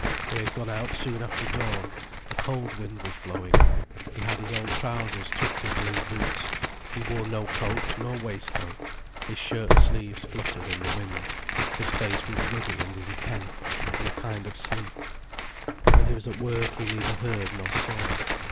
They had gone out soon after dawn. A cold wind was blowing. He had his old trousers tucked into his boots, he wore no coat nor waistcoat, his shirt sleeves fluttered in the wind, his face was ruddy and intent, in a kind of sleep. When he was at work he neither heard nor saw.